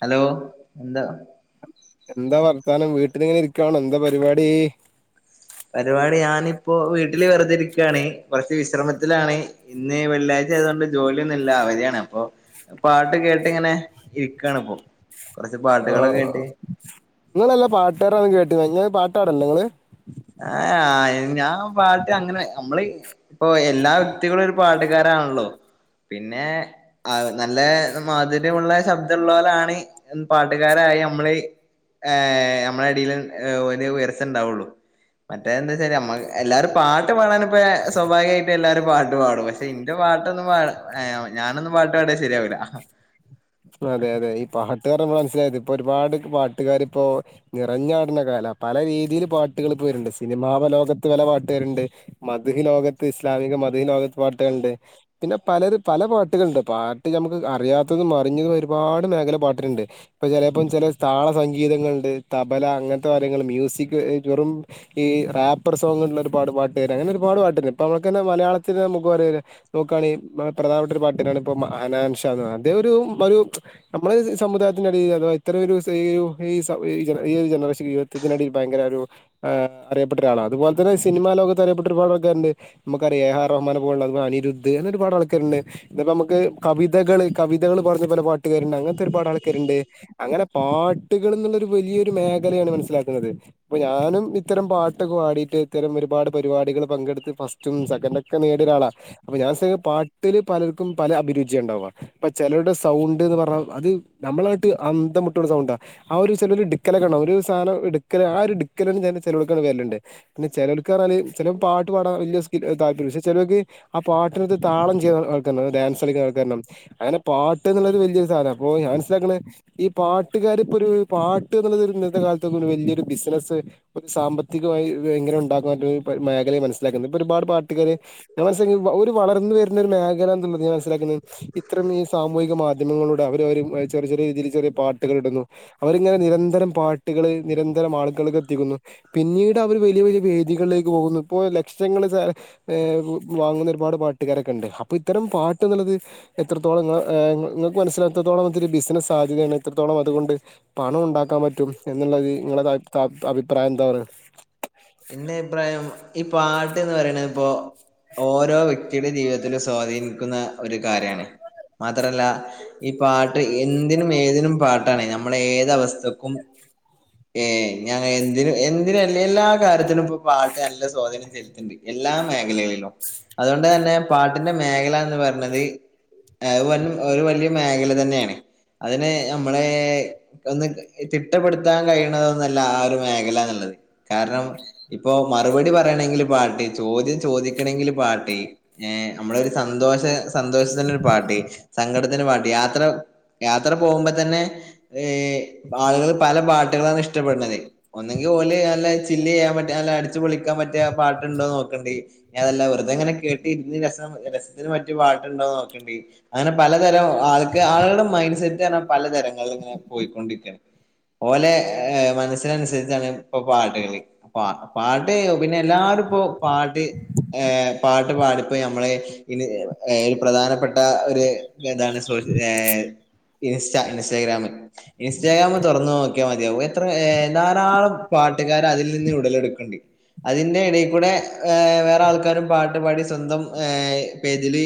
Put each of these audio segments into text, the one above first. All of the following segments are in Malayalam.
ഹലോ ന്താ എന്താ വർത്താനം വീട്ടിനിങ്ങനെ ഇരിക്കുവാണോ എന്താ പരിപാടി പരിപാടി ഞാനിപ്പോ വീട്ടില് വെറുതേ ഇരിക്കുവാണ് കൊറച്ച് വിശ്രമത്തിലാണ് ഇന്ന് വെള്ളിയാഴ് ചെയ്തൊണ്ട് ജോലിയൊന്നും ഇല്ല അവധിയാണ് അപ്പൊ പാട്ട് കേട്ട് ഇങ്ങനെ ഇരിക്കാണ് ഇപ്പൊ ആ ഇങ്ങളല്ല പാട്ടുകാരനാന്ന് കേട്ടന്ന് ഇങ്ങ് പാട്ടാടല്ലോ നിങ്ങള് ആ ഞാ ഞാൻ പാട്ട് അങ്ങനെ നമ്മള് ഇപ്പൊ എല്ലാ വ്യക്തികളും ഒരു പാട്ടുകാരാണല്ലോ പിന്നെ ആ നല്ല മാധുര്യമുള്ള ശബ്ദൊള്ളലാണ് പാട്ടുകാരാ യി നമ്മള് നമ്മളടീല് ഒര് ഉയർച്ച ഉണ്ടാവുള്ളു മറ്റേ എന്താ വച്ചാ നമ്മ എല്ലാരും പാട്ട് പാടാനിപ്പ സ്വാഭാവികവായിട്ട് എല്ലാരും പാട്ട് പാടും പക്ഷേ ൻ്റെ പാ പാട്ടൊന്നും പ ഞാനൊന്നും പാട്ട് പാടിയാ ശരിയാവില്ല അതെ അതെ ഈ പാട്ടുകാർടെ മനസ്സിലായത് ഇപ്പൊ ഒരുപാട് പാട്ടുകാരിപ്പോ നിറഞ്ഞാട്ണ കാലാ പല രീതിയില് പാട്ടുകള് ഇപ്പോവരുണ്ട് സിനിമാ ലോകത്ത് പല പാട്ട്കാര്ണ്ട് മധുഹ ലോകത്ത് ഇസ്ലാമിക ന്ന മതീലോകത്ത് പാട്ടുകൾണ്ട് പിന്നെ പലര് പല പാട്ടുകള്ണ്ട് പാട്ട് നമുക്ക് അറിയാത്തത് മാ റിംഗ്ചെയ്ത്പോയ ഒരുപാട് മേഖല പാട്ടില്ണ്ട് ഇപ്പ ചെലേപ്പം ചെല താള സംഗീതങ്ങൾണ്ട് തബല അങ്ങൻത്തെ ഓരോ ങ്ങള് മ്യൂസിക്വെ ജെറും ഈ റാപ്പർ സോങ്ങ്ള്ളര് പാടുമ്പം പാട്ടേരങ്ങനെ ഒരുപാട് പാട്ട്ണ്ടിപ്പം അമ്മക്കെന്നെ മലയാളത്തിലെ നമുക്ക് പറയേരെ നോക്ക്ആണെ പ്ര പ്രധാനപ്പെട്ട ഒരു പാട്ടിനാണ് ഇപ്പോ മ അനാൻഷന്ന് പറ അദ്ദേ ഒരു പ്പാഒരു നമ്മളെ സമുദായത്തിന്റെടേയിൽ അഥവാ ഇത്രേഒരൂസഈഒരു ഈസ ഈ ജന ഈ ഒര്ജനറേഷൻ ജീവിതത്തി ഇതിനെടേ ഭയങ്കര ഒരു ആ അറിയപ്പെട്ട ഒരാളാ അതുപോലെ തന്നെ സിനിമാ ലോകത്ത് അറിയപ്പെട്ടൊരുപാടാൾക്കാരൊണ്ട് മ്മക്കറിയാം എആർ റഹ്മാനേപ്പോലുള്ള അതുപോ അനിരുദ് അങ്ങനൊരുപാട് ആൾക്കാരുണ്ട് ദിപ്പോ അമുക്ക് കവിതകള് കവിതകള് പാ ദേപോലെ പാട്ടുകാരുണ്ട് അങ്ങൻത്തെ ഒരുപാട് ആൾക്കാര്ണ്ട് അങ്ങനെ പാ ട്ടുകൾന്നുള്ളൊരു വലിയൊരു മേഖലയാണ് മനസ്സിലാക്കുന്നത് അപ്പൊ ഞാനും ഇത്തരം പാട്ടൊക്കെ പാടിയിട്ട് ഇത്തരം ഒര് ഒരുപാട് പരിപാടികള് പങ്കെടുത്ത് ഫസ്റ്റും സെക്കൻ്റൊക്കെ നേടിഒരാളാ അപ്പൊ ഞാൻസ് പാട്ടില് പലർക്കും പ ല അഭിരുചി ഉണ്ടാവുക അപ്പ ചെലരുടെ സ് സൗണ്ട്ന്ന് പറഞ്ഞാൽ അത് ഞമ്മളായിട്ട് അന്ധമുട്ടുള്ള സൗണ്ടാ ആ ഒരു ചെലൊരു ഡിക്കലൊക്കൊണ്ടാവും ഒരു സാനം എടുക്കല് ആ ഒരുട്ക്കല് എൺചെയ്യാന്നുവെച്ചാ ചെലെടുക്ക് അത് വാല്യുണ്ട് പിന്നെ ചിലെലുക്കാറഞ്ഞാല് ചെല പാട്ട് പാടാൻ വല്യ സ്കിൽ ദ [unintelligible] ചെലരുക്ക് ആ പാട്ടിനൊത്ത് താളം ചെയ്യാനാൾ ആൾക്കാര്ണ്ട് ഡാൻസ് കളിക്കുന്ന ആൾക്കാരണം അങ്ങനെ പാ ട്ട്എന്നുള്ളൊരു വല്ല്യയൊരു സാനാ അപ്പോ ഞാൻസ്സിലാക്കണത് ഈ പാട്ടുകാരിപ്പോ ഒരു പാട്ട് എന്നുള്ള ഇന്നത്തെ കാലത്ത വല്യൊരു ബിസിനസ്സ് സാമ്പത്തികമായി ഇങ്ങനെ ഒണ്ടാക്കാൻരു പ് മേഖലയായ് മനസിലാക്കുന്നു ഇപ്പഒരുപാട് പാ ട്ടുകാര്, ഞാൻ മനസിലാക്കി ഒരു വളർന്ന് വരുന്നൊരു മേഖല എന്നുള്ളത് ഞാൻ മനസിലാക്ക്‌ണ്. ഇത്രം ഈ സാമ് മൂഹിക മാധ്യമങ്ങളുടെ അവര്അവരുമായ് ചെറിയ ചെറിയ രീതില് ചെറിയ പാട്ടുകളിടുന്നു, അവരിങ്ങനെ നിരന്തരം പാട്ടുകള് നിരന്തരം ആളുകൾക്ക് എത്തിക്കുന്നു. പിന്നീട് അവര് വലിയ വലിയ വേദികളിലേക്ക് പോകുന്നു. ഇപ്പോ ലക്ഷങ്ങള് സാല ഏഹ് വാങ്ങുന്ന ഒരുപാട് പാട്ട്കാരൊക്കെണ്ട്, അപ്പൊ ഇത്തരം പാട്ട്ന്ന്ള്ളത് എത്രത്തോളം ഇങ്ങളെ ഏഹ് ഇങ്ങ ഇങ്ങൾക്ക് മനസ്സിലാത്രത്തോളം ഇതൊരു ബിസിനസ്സ് സാഹചര്യാണ് എത്രത്തോളം അതുകൊണ്ട് പണം ഉണ്ടാക്കാൻ പറ്റും എന്ന് ള്ളത് നിങ്ങളേതായാ [unintelligible] അഭിപ്രായം എന്താ പറയ്ണത് ഇന്റെ അഭിപ്രായം ഈ പാട്ട്ന്ന് പറയ്ണെപ്പൊ ഓരോ വ്യക് ത്തിയുടെ ജീവിതത്തിലെ സ്വാധീനിക്കുന്ന ഒരു കാര്യാണ്. മാത്രല്ല ഈ പാ ട്ട്, എന്തിനും ഏതിനും പാ ട്ടാണ്. ഞമ്മളെ ഏതവസ്ഥക്കും ഏഹ് ഞാ ഞാനെന്തിനും എന്തിനുമല്ല എല്ലാ കാര്യത്തിനുംപ്പൊ പാട്ട് നല്ല സ്വാധീനം ചെൽത്ത്ണ്ട്. എല്ലാ മേഖലകളിലും അതുകൊണ്ട് തന്നെ പാട്ടിന്റെ മേഖല എന്ന് പറഞ്ഞത് ഏഹ് അത് വന്നം ഒരു വലിയ മേഖല തന്നെയാണ്. അതിനെ ഞമ്മളെ, ഒന്ന് തിട്ടപ്പെടുത്താൻ കഴിയണതൊന്നുമല്ല ആ ഒരു മേഖലന്ന്ള്ളെ ടോയ്, കാരണം ഇപ്പൊ മറുപടി പറയണെങ്കില് പാട്ട്, ചോദ്യം ചോദിക്കണെങ്കില് പാട്ട്, ഏഹ് നമ്മളൊരു സ സന്തോഷ സന്തോഷത്തിനൊരു പാട്ട്, സങ്കടത്തിന് പാട്ട് യാത്ര യാത്ര പോകുമ്പോ തന്നെ ഈഹ് ആളുകള് പല പാട്ടുകളാണ് ഇഷ്ടപ്പെടുന്നത്. ഒന്നെങ്കിൽ ഇതോല് പറഞ്ഞ ചില്ലയ്യാ ല്ല അടിച്ചു പൊളിക്കാൻ പറ്റിയ പാട്ട്ണ്ടോ നോക്കണ്ടി. ഇനിയതല്ല വെറുതെങ്ങനെ കേട്ടിരിന്ന് രസം രസ ത്തിന് പറ്റ്യ പാട്ട്ണ്ടോ നോക്കെണ്ടി. അങ്ങനെ പലതരം ആൾക്ക് ആളുകടെ മൈൻഡ് സെറ്റാണ് പലതരങ്ങളില് ഇത് ഇങ്ങനെ പോയിക്കൊണ്ടിരിക്കാണ്, ഓലെ ഏഹ് മനസ്സിനനുസരിച്ചാണ് ഇപ്പൊ പാട്ട്കള് പാട്ട്, പാട്ട് പിന്നെ എല്ലാരുപ്പം പാട്ട് ഏഹ് പാ പാടിയപ്പം നമ്മള് ഏഹ് ഒരു പ്രധാനപ്പെട്ട ഒരു ഇതാണ് ഏഹ് സോഷ്യ ഇൻസ്റ്റ ഇൻസ്റ്റാഗ്രാമ്, ഇൻസ്റ്റാഗ്രാമ് തുറന്ന് നോക്കിയാൽ മതിയാവും എത്ര ഏഹ് ധാരാളം പ മുതലെടുക്ക്‌ണ്ട്. അതിന്റെ എടക്കൂടെ ഏഹ് വേറെ ആൾക്കാരും പാട്ട് പാടി സ്വന്തം ഏഹ് പേജില്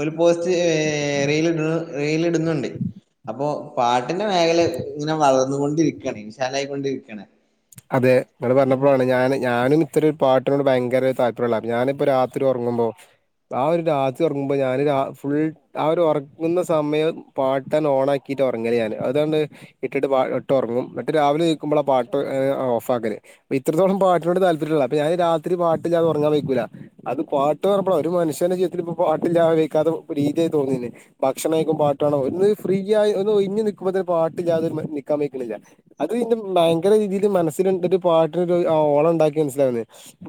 ഒരു പോസ്റ്റ് ഏഹ് റീല് ഇടു റീലിടുന്നുണ്ട്. അപ്പൊ പാട്ടിന്റെ മേഖല ഇങ്ങനെ വളർന്നുകൊണ്ടിരിക്കാണ് വിശാലായിക്കൊണ്ടിരിക്കാണ്. അതെ നിങ്ങള് പറഞ്ഞപ്പളാണ്, ഞന് ഞാനും ഇത്രരു പാട്ടിനോട് ഭയ ങ്കര താല്പര്യള്ളളാ, ഞാനിപ്പോ രാത്രി ഉറങ്ങുമ്പോൾ ആ ഒരു രാത്രി ഒറങ്ങുമ്പോൾ ഞാന് ഫുൾ ആ ഒരു ഉറക്കുന്ന സമയം പാട്ടന്നെ ഓണാക്കി ട്ട, ഒറങ്ങല് ഞാന് അതുകണ്ട് ഇട്ടിട്ട്ട്ട് പാ ഇട്ടൊറങ്ങും ഇങ്ങട്ട് രാവിലെ നീക്കുമ്പളാ പാട്ട് ഏഹ് ഓഫ്ക്കല്. ഇത്രത്തോളം പാട്ടിനോട് താല്പര്യള്ള അപ്പോ ഞാൻ ഈ രാത്രി പാട്ട്ല്ലാതെ ഒറഞ്ഞാൻ വൈക്കൂല. അത് പാട്ട് പറഞ്ഞപ്പോളാ ഒരു മനുഷ്യന് ജീവിതത്തിലിപ്പം പാട്ടില്ലാതെ ജീവിക്കാതെ ഒരു രീതിയായി തോന്നിണ്. ഭക്ഷണം കഴിക്കുമ്പോൾ പാട്ടാണം ഒന്ന് ഫ്രീ ആയി, ഒന്ന് ഒഴിഞ്ഞ് നിക്കുമ്പോ തന്നെ പാട്ട്ല്ലാതെ നിക്കാൻ വൈക്ക്ണില്ല. അത് പിന്നെ മൻ ഭയങ്കര രീതിയില് മനസില്കൊണ്ടിട്ട് പാട്ടിനൊക്കെ ആഹ് ഓളംണ്ടാക്കി മനസ്സിലാവ്ണ്.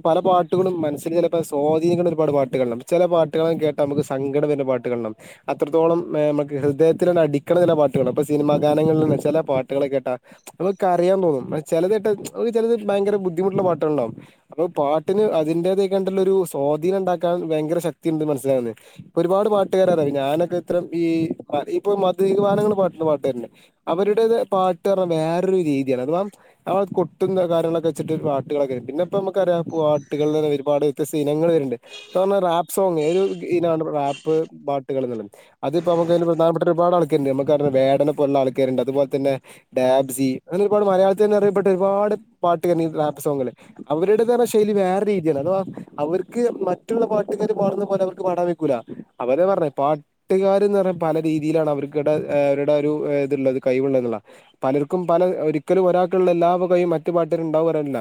പല പാട്ടുകളും മനസ്സിൽ ചെലപ്പം സ്വാധിനിക്ക്‌ണ ഒരുപാട് പാട്ട്കള്ണ്ട്. ചെല പാട്ടുകളങ്ങട്ട് കേട്ടാ നമുക്ക് സങ്കടം വര്ണ പാട്ട്കള്ണ്ടാവും. അത്രോളം ഏഹ് നമുക്ക് ഹൃദയത്തിലങ്ങട്ടടിക്ക്‌ണ ചില പാട്ടുകൾ, അപ്പൊ സിനിമാ ഗാനങ്ങളിൽ ചെല പാട്ടുകൾ കേട്ടാ നമുക്ക് കരയാൻ തോന്നും ചെലത് കേട്ട ഛെ ചെലത് ഭയങ്കര ബുദ്ധിമുട്ടുള്ള പാട്ടുകളുണ്ടാവും. അപ്പൊ പാട്ടിന് അതിന്റേതായികണ്ട്ള്ളൊരു സ്വാധീണ്ടാക്കാൻ ഭയങ്കര ശക്തിണ്ട് മനസ്സിലാക്ണ്. ഇപ്പൊ ഒരുപാട് പാട്ടുകാര, ഞാനൊക്കെ ഇത്രം ഈ ആഹ്, ഇപ്പൊ മദ്‌ഹ് ഗാനങ്ങൾ പാട്ന പാട്ടന്നെ, അവരുടെ പാട്ട് എന്ന് പറാഞ്ഞാ വേറൊരു രീതിയാണ്. അതവാ ആ കൊട്ടും പരതാരങ്ങളൊക്കെച്ചിട്ട് ഒരു പാട്ടുകളൊക്കെ, പിന്നപ്പെ നമ്മക്കറിയ പാട്ടുകളിലൊക്കെ ഒരുപാട് തസീനാ ങ്ങള് വരണ്ട്. ഇപ്പം പറഞ്ഞാ റാപ്പ് സോങ്ങ്, ഒരു ഇനാണ് റാപ്പ് പാട്ടുകൾ എന്നുള്ളത്. അത് ഇപ്പം നമ്മക്ക് ആയിനെ പ പ്രധാനപ്പെട്ട ഒരുപാട് ആൾക്കാര്ണ്ട്, നമുക്കറിണ വേടനെ പോലുള്ള ആൾക്കാര്ണ്ട്. അതുപൊലെ തന്നെ ഡാബ്സി, അങ്ങനെ ഒരുപട് മലയാളി ത്തനറിയപ്പെട്ട ഒരുപാട് പാട്ടുകാര് റാപ്പ് സോങ്ങ്ല്, അവരുടെ തന്നെ ശൈലി വേറെ രീതിയാണ് അഥവാ അ അവർക്ക് മറ്റുള്ള പാട്ടുകാര് പാടുന്ന പോലെ അവർക്ക് പാടാൻ വെയ്ക്കൂല. അവരാ പറഞ്ഞെ പാട്ട്കാര്ന്ന് പറഞ്ഞാൽ പല രീതിയിലാണ് അവര്കിടെ അവരുടെ ഒരു ഏഹ് ഇത് ഇള്ളത് കൈയ്വ്കളാ. പലർക്കും പല ഒരിക്കലും ഒരാ ൾക്ക്ള്ള എല്ലാ കൈവും മറ്റ്പാട്ടരും ഇൻണ്ടാവൊ പറയാൻ പറ്റില്ല.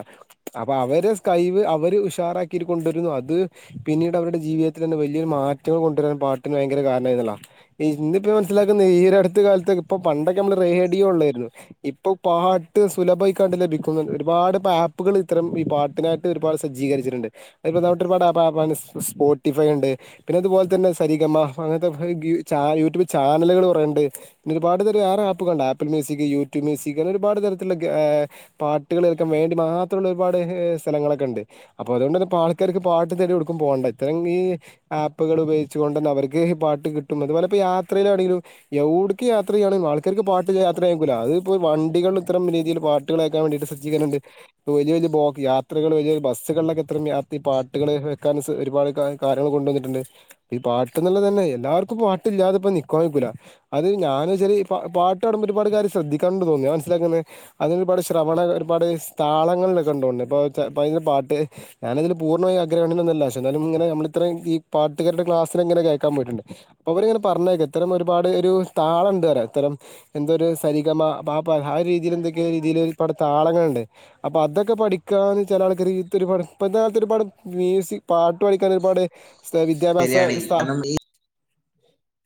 അപ്പ അവരെ സ്കഴിവ് അവര് ഉഷാറാക്കി കൊണ്ടരുംന്നൊക്കെ അത് പിന്നീട് അവരുടെ ജീവിതത്തിൽ തന്നെ വലിയൊരു മാറ്റം കൊണ്ടുവരാൻ പാട്ടിന് ഭയങ്കര കാരണങ്ങളാ ഈ ഇന്നിപ്പോ മനസ്സിലാക്കുന്ന ഈ അടുത്ത കാലത്ത് ഇപ്പൊ പണ്ടൊക്കെ നമ്മള് റേഡിയോ ഉള്ളായിരുന്നു ഇപ്പൊ പാ ട്ട്സുലഭായിട്ട് ലഭിക്കുന്നുണ്ട് ഒരുപാട് ആപ്പുകൾ ഇത്തരം ഈ പാട്ടിനായിട്ട് ഒരുപാട് സജ്ജീകരിച്ചിട്ടുണ്ട് [unintelligible] സ്പോട്ടിഫൈ ഉണ്ട് പിന്നെ അതുപോലെ തന്നെ സരിഗമ്മ അങ്ങനത്തെ ഗി ചാ യൂട്യൂ് ചാനലുകൾ കൊറെണ്ട് പിന്ന ഒരുപാട് തര ആപ്പുണ്ട് ആപ്പി മ്യൂസിക് യൂട്യൂബ മ്യൂസിക് അങ്ങനെ ഒരുപാട് ത ത്തില്ല ഏപാട്ടുകൾ കേൾക്കാൻ വേണ്ടി മാത്രമുള്ള ഒരുപാട് സ്ഥലങ്ങളൊക്കെ ഉണ്ട് അപ്പോ അതുകൊണ്ട് പാ ക്ക് പാട്ട് തേടി ഒടുക്കും പോകേണ്ട ഇത്രം ഈ ആപ്പുകൾ ഉപയോഗിച്ചു കൊണ്ട് ന്നെ അവർക്ക് പാട്ട് കിട്ടും അതുപോലെ യാത്രയിലാണെങ്കിലും എവുട്ക്ക് യാത്രയ്യാണെലും ആൾക്കാര്ക്ക് പാട്ടില്ല യാത്ര അയ്യക്കൂല്ല അത് ഇപ്പോ വണ്ടികളിലും ഇത്രം രീതിയിൽ പാട്ടുകളയക്കാൻ വേണ്ടിട്ട് സജി കരണങ്ങളുണ്ട് വലിയ വലിയ ബോഗ് യാത്രകൾ വലിയ ബസുകളിലൊക്കെ ഇത്ര ഈ പാട്ടുകൾ വെക്കാൻ ഒരുപാട് കാര്യങ്ങൾ കൊണ്ടുവന്നിട്ടുണ്ട് ഈ പാട്ട് എന്നുള്ളത് തന്നെ എല്ലാ ക്ക് പാട്ടില്ലാതെ ഇപ്പോ നിക്കാ വൈക്കൂല അത് ഞാന് ചരി പാട്ടാടുമ്പോ ഒരുപാട് കാര്യംശ്രദ്ധിക്കണ്ട് തോന്ന്ണ് മനസ്സിലാക്കുന്നുന്നത് അതി ഒരുപാട് ശ്രവണ ഒരുപാട് സ്ഥളങ്ങളിലൊക്ക ണ്ട് തോണ് ണ്ഇപ്പോ ച പയ്പാട്ട് ഞാനതിൽ പൂർണ്ണമായി ആഗ്രകണ്യ നൊന്നുല്ല എന്നാലും ഇങ്ങനെ നമ്മള് ത്രയുംഈ പാട്ട് ക്കാട്രുടെ ക്ലാസ് ങ്ങനെ കേക്കാൻ പോയിട്ടുണ്ട് അപ്പൊ അവരിങ്ങനെ പറഞ്ഞേക്ക ഇത്തരം ഒരുപാട് ഒരു താളുണ്ട് ഇത്തരം എന്തോ ഒരു സരിഗമ പാപ്പാ ആ രീതി രീതിൽ എന്തൊക്കെയ രീതിയില് ഒര പാട് താളങ്ങളണ്ട് അപ്പൊ അതൊക്കെ പഠിക്കാൻ ചില ആൾക്കാര് ഇതൊരു ഇപ്പത്തെ കാലത്ത് ഒരുപാട് മ്യൂസിക് പാട്ട് പടിക്കഴിഞ്ഞാൽഒരുപാട് വിദ്യാഭ്യാസ ശരിയാണ് സ്ഥാ കാരണം ഈ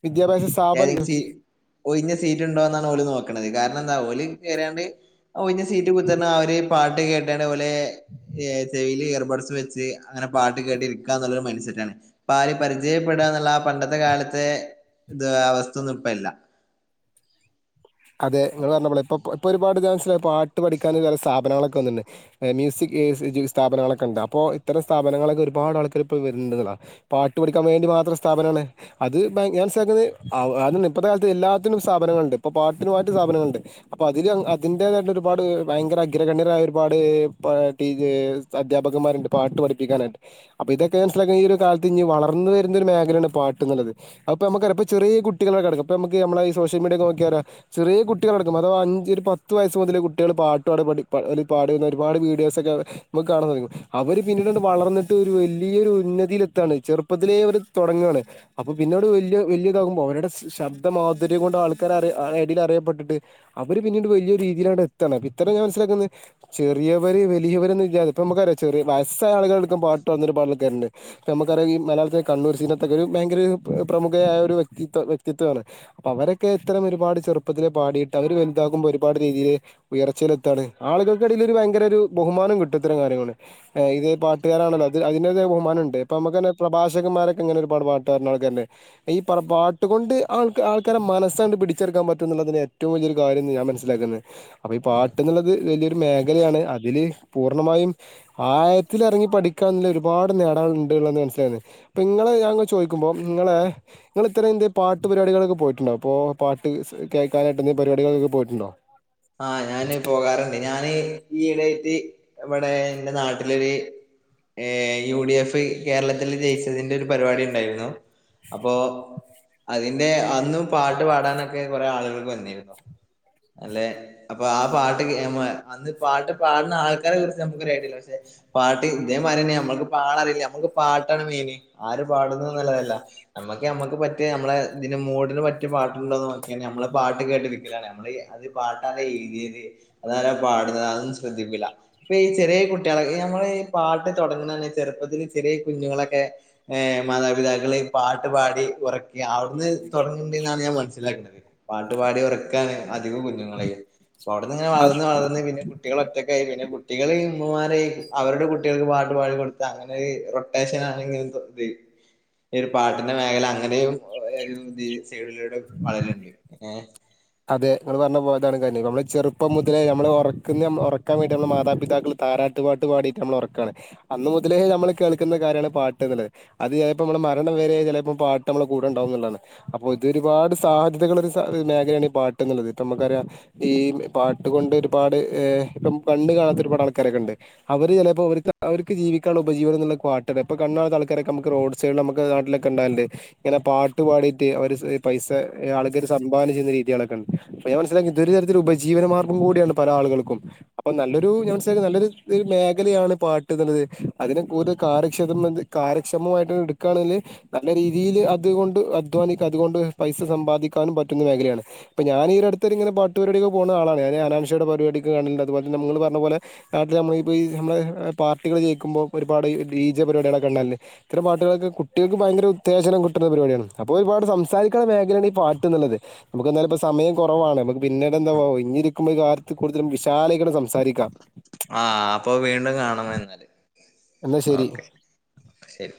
വിദ്യാഭ്യാസ ഏതെങ്കിലും സ്ഥാപന സിഒഴിഞ്ഞ സീറ്റ് ഉണ്ടോന്നാണ് ഓല് നോക്കണത് കാരണം എന്താ ഓല് കേറ്യണ്ട് ഒഴിഞ്ഞസീറ്റ് കുത്തി ർന്നാണ്ട്ആര് പാട്ട് കേട്ടാണ്ട്പോലെ സെവിൽ കേറും പോ ട്സ് വെച്ച് അങ്ങനെ പാട്ട് കേട്ടിരിക എന്നുള്ളരു മൈ സെറ്റ് ആണ് ആര് പരിചയപ്പെട്യ എന്നുള്ള ആ പണ്ടത്തെ കാലത്ത് അതെ ഇത് അവസ്ഥയൊന്നും ഇപ്പഴലില്ല. അതെ നിങ്ങൾ പറഞ്ഞപ്പോള് ഇപ്പ ഇപ്പോഒരുപാട് ചാൻസ പാട്ട് പഠിക്കാ പല സ്ഥാപനങ്ങളൊക്കെ വന്നുണ്ട്. മ്യൂസിക് സ്പനങ്ങളൊക്കെ ഉണ്ട് അപ്പോ ഇത്തരം സ്ഥാപനങ്ങൾ ഒക്കെ ഒരുപാട് ആൾക്കാർ ഇപ്പോൾ വരണ്ടതാണ് പാട്ട് പഠിക്കാൻ വേണ്ടി മാത്രം സ്ഥാപനമാണ്. അത് ഞാൻ മനസിലാക്കുന്നത് അതണ്ട് ഇപ്പഴത്തെ കാലത്ത് എല്ലാത്തിനും സ്ഥാപനങ്ങളുണ്ട്. ഇപ്പൊ പാട്ട് അതിനു മാത്രംസ്ഥാപനങ്ങളുണ്ട്. അപ്പൊ അതില് അതിന്റേതായിട്ട് ഒരുപാട് ഭയങ്കര അഗ്രഗണ്യരായ ഒരുപാട് അധ്യാപകന്മാരുണ്ട് പാട്ട് പഠിപ്പിക്കാനായിട്ട്. അപ്പൊ ഇതൊക്കെ മനസ്സിലാക്കി ഈ ഒരു കാലത്ത് ഇനി വളർന്ന് വരുന്ന മേഖലയാണ് പാട്ട് എന്നുള്ളത്. അപ്പൊ നമ്മുക്കറിയാം ചെറിയകുട്ടിക്ക് അപ്പപ്പോ നമുക്ക് നമ്മടെ സോഷ്യൽമീഡിയായിൽ നോക്കിയറിയാം ചെറിയ കുട്ടികൾ നടക്കും അതവാ അഞ്ച് ഒരു പത്ത് വയസ് മുതൽ കുട്ടികൾ പാട്ട് പാടി പ അ പാടുന്ന ഒരുപാട് വീഡിയോസ് ഒക്കെ നമുക്ക് കാണാൻ കഴിയും. അവര് പിന്നീട് വളർന്നിട്ട് ഒരു വലിയൊരു ഉന്നതിൽ എത്താണ് ചെറുപ്പത്തിലെ അവ തുടങ്ങുകയാണ്. അപ്പൊ പിന്നോട് വലിയ വലിയതകുമ്പോ അവരുടെ ശബ്ദ മാധുര്യം കൊണ്ട് ആൾക്കാര അരെ രീതിയില് അറിയപ്പെട്ടിട്ട് അവര് പിന്നീട് വലിയ രീതിയിലാ എത്തു കാണ്. ഇത്ര ഞാൻ മനസ്സിലാക്കുന്നത് ചെറിയവര് വലിയ ഇവരൊന്നു ഇല്ലിയാതെ ഇപ്പം നമ്മുക്കറിയാം വയസ ചെറിയ വയസായ ആളുകൾക്കും പാട്ട്ന്നൊരു പാടൊക്കണ്ട് നമ്മുക്കറിയാംഈ മലയാളത്തെ കണ്ണ സിനത്തൊക്കെ ഒരു ഭയങ്കര പ്രമുഖായ ഒരു വ്യക്തിത്വം വ്യക്തിത്വമാണ്. അവരൊക്കെ ഇത്തരം ഒരുപാട് ചെറുപ്പം ത്തിലെ പാടിയിട്ട് അവർ വലുതകുമ്പോ ഒരുപാട് രീതിയിൽ ഉയർച്ചയിലെ എത്താണ് ആളുകൾക്കിടയിൽ ഒരു ഭയങ്കര ഒരു ബഹുമാന മാനംകിട്ടിത്തൊരു കാര്യമാണ്. ഇത് പാട്ടുകാരാണല്ലോ അതി ബഹുമാനുണ്ട്. ഇപ്പംനമ്മുക്കു തന്നെ പ്രഭാഷകമാരൊ ങ്ങനെ ഒരു പാട് പാട്ടു ക്കാരൻമാരെ ഒക്കെ ഇല്ലേ? ഈ പാട്ട് കൊണ്ട് ആൾക്കാരെ മനസ്സ് കൊണ്ട് പിടിച്ചെടുക്കാൻ പറ്റ നുള്ളതിന് ഏറ്റവും വലിയ ഒരു കാര്യംന്ന് ഞാൻ മനസ്സിലാക്കുന്നത് അപ്പൊ ഈ ഉം പാട്ടന്നുള്ളത് വലി മേഖലയാണ് അതില് പൂർണമായും ആയത്തില് ഇറങ്ങി പഠിക്കാനുള്ള ഒരുപാട് നേടാനു മനസാന്ന്. അപ്പോ ഞങ്ങൾ ഞാൻ ചോദിക്കുമ്പോൾ നിങ്ങളെ നിങ്ങള് ഇത്രയും എന്ത് പാട്ട് പരുപാടികൊക്കെ പോയിട്ടുണ്ടോ? അപ്പോ പാട്ട് കേൾക്കാനായിട്ട് പരിപാടികളൊക്കെ പോയിട്ടുണ്ടോ? ആ ഞാന് പോകാറുണ്ട്. ഞാന് ഈ ഇടയായിട്ട് ഇവിടെ എന്റെ നാട്ടിലൊരു ഏ യു ഡി എഫ് കേരളത്തിൽ ജയിച്ചതിന്റെ ഒരു പരിപാടി ഉണ്ടായിരുന്നു. അപ്പൊ അതിന്റെ അന്നും പാട്ട് പാടാനൊക്കെ കൊറെേ ആളുകൾക്ക് വന്നിരുന്നു. അല്ലെ അപ്പൊ ആ പാട്ട് അന്ന് പാട്ട് പാടുന്ന ആൾക്കാരെ കുറിച്ച് നമ്മുക്കറിയത്തില്ല. പക്ഷെ പാട്ട് അതേമാതിരി തന്നെ നമ്മക്ക് പാടാനറിയില്ല. നമ്മക് പാട്ടാണ് മെയിൻ. ആര് പാടുന്നത് എന്നതല്ല നമ്മക്ക നമ്മക്ക് റ്റ നമ്മളെ ഇതിന്റെ മൂഡിന് പറ്റിയുള്ള പാട്ടുണ്ടോന്ന് നോക്കിയ നമ്മള് പാട്ട് കേട്ടിരിക്കലാണ്. നമ്മള് അത് ല്ല രീതിൽ അതാരാ പാടുന്നത് അതുഒന്നുംശ്രദ്ധിക്കില്ല. ഇപ്പൊ ഈ ചെറിയ കുട്ടികളൊെ നമ്മൾ പാട്ട് തുടങ്ങുന്ന ചെറുപ്പത്തിൽ ചെറിയ കുഞ്ഞുങ്ങളൊക്കെ ഹ് മാതാപിതാക്കൾ പാട്ട് പാടി ഉറക്കി ആ അത് തുടരുന്നുണ്ടന്നാണ് ഞാൻ മനസ്സിലാക്കുന്നത് പാട്ട് പാടി ഉറക്കാന് അധികം കുഞ്ഞുങ്ങളെയും അവിടുന്ന് ഇങ്ങെ അത് വളർന്ന് വളർന്ന് പിന്നെ കുട്ടികള ഒറ്റൊക്ക ആയി പിന്നെ കുട്ടികളെയ ഉമ്മമാരെയും അവരുടെ കുട്ടികൾക്ക് പാട്ടുപാടി കൊടുത്താ അങ്ങനെ ഒരു റൊട്ടേഷൻ ആണെങ്കിലും ഈ ഒരു പാട്ടിന്റെ മേഖല അങ്ങനെയും ഒരു ഇത് സൈഡിലൂടെ വളരലുണ്ട്. ഏ അതെ നിങ്ങൾ പറഞ്ഞ പോയതാണ് കാര്യം. നമ്മെചെറുപ്പം മുതലേ നമ്മൾ ഉറക്കുന്ന ഉറക്കാൻ വേണ്ടി നമ്മടെ മാതാപിതാക്കൾ താരാട്ട് പട്ട് പാട്ട് പാടിയിട്ട് നമ്മെഉറക്കാണ്. അന്ന് മുതലേ നമ്മള് കേൾക്കുന്ന കാര്യമാണ് പാട്ട് എന്നുളളത്. അത് ചിലപ്പോൾ നമ്മുടെ മരണ വരെ ചിലപ്പോൾ പാട്ട് നമ്മെ കൂടെണ്ടാവും എന്നുള്ളതാണ്. അപ്പോ ഇത് ഒരുപാട് സാധ്യതകൾ ഒരു മേഖലയാണ് പാട്ട് എന്നുള്ളത്. ഇപ്പ നമുക്കറിയ ഈ പാട്ട്കൊണ്ട് ഒരുപാട് ഈ ഇപ്പ പണ്ട് കാണാത്ത ഒരുപാട് ആൾക്കാരൊ ണ്ട്. അവര് ചിലപ്പോ അവ അവർ ജീവിക്ക ഉപജീവനം എന്നുള്ളത് പാട്ടാണ്. കണ്ണു കാണാത്ത ആൾക്കാരൊക്കെ റോഡ് സൈഡിൽ നമുക്ക് നാട്ടിലൊക്കെ ഉണ്ടായിറുണ്ട് ഇങ്ങനെ പാട്ട് പാടിയിട്ട് അവര് പൈസ ആൾക്കാര് സംഭാവന ചെയ്യുന്ന രീതിയാണ് അ ഞാൻ മനസിലാക്കി ഇതൊ തരത്തില ഉപജീവനമാർഗം കൂടിയ പല ആുകൾക്കും. അപ്പ നല്ലൊരു മനസിലാക്കിയ നല്ലൊരു ഒരു മേഖലയാണ് പാട്ട് എന്നുള്ളത് അതിനെ കൂടുതൽ കാര്യക്ഷം കാര്യക്ഷമമായിട്ട് എടുക്കുകണ നല്ല രീതിയിയില് അതുകൊണ്ട് അധ്വാനിക്ക അതുകൊണ്ട് പൈസ സമ്പാദിക്കാനും പറ്റുന്ന മേഖലയാണ്. അപ്പ ഞാൻ ഈ അടുത്ത് ഇടയ്ക്ക് പാട്ടുപരുപാടിക്ക് പോണ ആളാണ് ഞാൻ ഈ ഹനാൻ ഷായുടെ പരിപാടിയൊക്കെ കണ്ടിട്ടുണ്ട്. അതുപോലെ നിങ്ങൾ പറഞ്ഞ പോലെ നാട്ടില് നമ്മപ്പോ ഈ നമ്മെ പാട്ടുകള് കേൾക്കുമ്പോൾ ഒരുപാട് ഡി. ജെ പരിപാടികൾ ഒക്കെ കണ്ടതല്ലേ?. ഇത്തരംപാട്ടുക്കൾക്ക് കുട്ടികൾക്ക് ഭയങ്കര ഉത്തേജനം കിട്ടുന്ന പരിപാടിയാണത്. അപ്പോ ഒരുപാട് സംസാരിക്കുന്ന മേഖലയാണ്ഈ പാട്ട് എന്നുള്ളത്. നമ്മുക്ക് എന്നാലും സമയം കുറവാണ് നമ്മുക്ക് പിന്നീട് എന്താ ഇഞ്ഞിരിക്കുമ്പോൾ കാലത്ത് കൂടുതല വിശാല സം ആ അപ്പൊ വീണ്ടും കാണണം എന്നാ. എന്നാ ശരി. ശരി